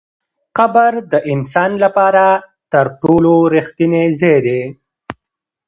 قبر د انسان لپاره تر ټولو رښتینی ځای دی.